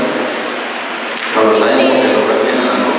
kalau saya mungkin perhatian